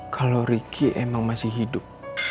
kalo riki emang masih hidup